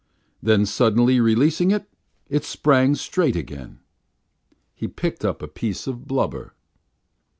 Then, suddenly releasing it, it sprang straight again. He picked up a piece of blubber.